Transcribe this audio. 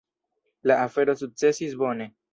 La afero sukcesis bone.